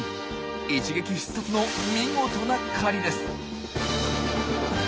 一撃必殺の見事な狩りです。